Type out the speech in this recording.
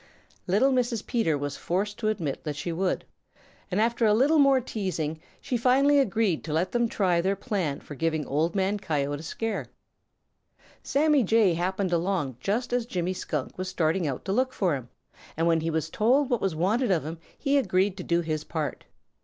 Little Mrs. Peter was forced to admit that she would, and after a little more teasing she finally agreed to let them try their plan for giving Old Man Coyote a scare. Sammy Jay happened along just as Jimmy Skunk was starting out to look for him, and when he was told what was wanted of him, he agreed to do his part.